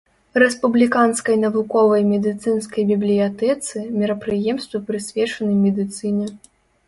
Рэспубліканскай навуковай медыцынскай бібліятэцы мерапрыемствы прысвечаны медыцыне.